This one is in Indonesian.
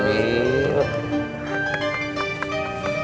amin ya allah